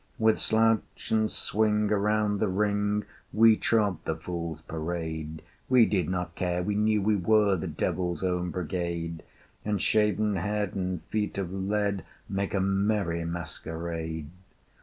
With slouch and swing around the ring We trod the Fool's Parade! We did not care: we knew we were The Devil's Own Brigade: And shaven head and feet of lead Make a merry masquerade.